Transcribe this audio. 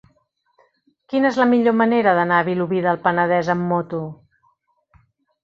Quina és la millor manera d'anar a Vilobí del Penedès amb moto?